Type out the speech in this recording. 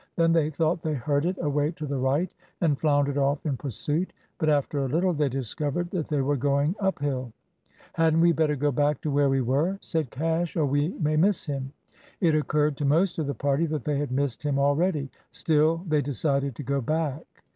Then they thought they heard it away to the right, and floundered off in pursuit. But after a little they discovered that they were going uphill. "Hadn't we better go back to where we were," said Cash, "or we may miss him?" It occurred to most of the party that they had missed him already. Still, they decided to go back.